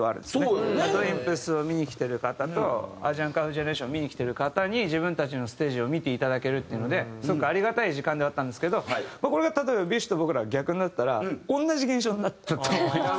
ＲＡＤＷＩＭＰＳを見に来てる方とＡＳＩＡＮＫＵＮＧ−ＦＵＧＥＮＥＲＡＴＩＯＮを見に来てる方に自分たちのステージを見ていただけるっていうのですごくありがたい時間ではあったんですけどこれが例えばＢｉＳＨと僕らが逆になってたら同じ現象になってたと思います